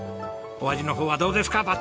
お味のほうはどうですか？